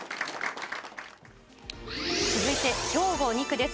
続いて兵庫２区です。